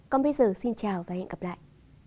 còn bây giờ xin chào và hẹn gặp lại